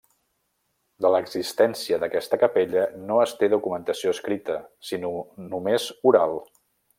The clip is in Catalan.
De l'existència d'aquesta capella no es té documentació escrita, sinó només oral.